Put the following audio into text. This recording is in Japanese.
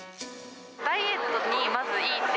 ダイエットにまずいいってい